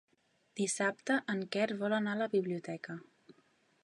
Dissabte en Quer vol anar a la biblioteca.